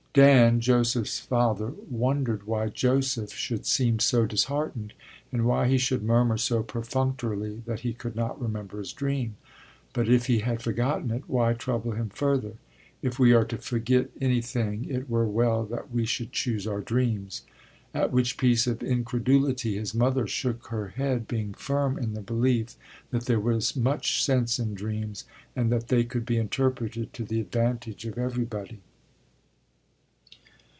Dan, Joseph's father, wondered why Joseph should seem so disheartened and why he should murmur so perfunctorily that he could not remember his dream. But if he had forgotten it, why trouble him further? If we are to forget anything it were well that we should choose our dreams; at which piece of incredulity his mother shook her head, being firm in the belief that there was much sense in dreams and that they could be interpreted to the advantage of everybody.